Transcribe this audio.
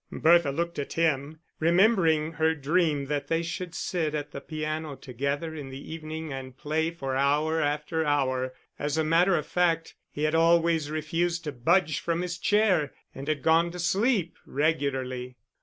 Bertha looked at him, remembering her dream that they should sit at the piano together in the evening and play for hour after hour: as a matter of fact, he had always refused to budge from his chair and had gone to sleep regularly.